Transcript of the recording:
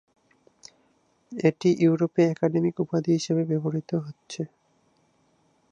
এটি ইউরোপে একাডেমিক উপাধি হিসাবে ব্যবহৃত হচ্ছে।